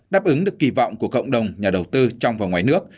đáp ứng được kỳ vọng của cộng đồng nhà đầu tư trong và ngoài nước